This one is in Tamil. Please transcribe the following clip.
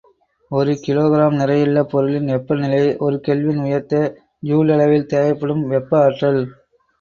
ஒரு கிலோகிராம் நிறையுள்ள பொருளின் வெப்ப நிலையை ஒரு கெல்வின் உயர்த்த ஜூல் அளவில் தேவைப்படும் வெப்ப ஆற்றல்.